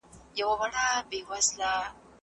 موږ بايد په ټولنيز واقعيت ځان پوه کړو.